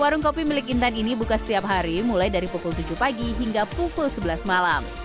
warung kopi milik intan ini buka setiap hari mulai dari pukul tujuh pagi hingga pukul sebelas malam